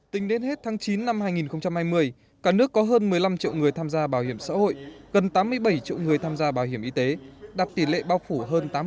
tính đến hết tháng chín năm hai nghìn hai mươi cả nước có hơn một mươi năm triệu người tham gia bảo hiểm xã hội gần tám mươi bảy triệu người tham gia bảo hiểm y tế đạt tỷ lệ bao phủ hơn tám mươi